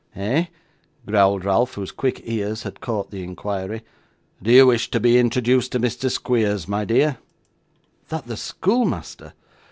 'Eh!' growled Ralph, whose quick ears had caught the inquiry. 'Do you wish to be introduced to Mr. Squeers, my dear?' 'That the schoolmaster!